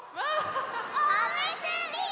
おむすび！